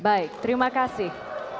baik terima kasih